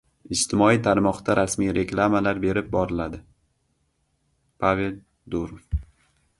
Ijtimoiy tarmoqda rasmiy reklamalar berib boriladi- Pavel Durov